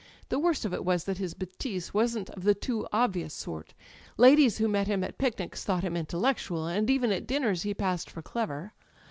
"The worst of it was that his betise wasn't of the too obvious sort. Ladies who met him at picnics thought him intellectual; and even at dinners he passed for clever.